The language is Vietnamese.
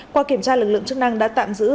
qua kiểm tra lực lượng chức năng đã tạm giữ